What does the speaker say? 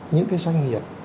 những cái doanh nghiệp